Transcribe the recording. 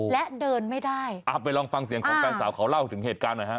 และเดินไม่ได้อ่าไปลองฟังเสียงของแฟนสาวเขาเล่าถึงเหตุการณ์หน่อยฮะ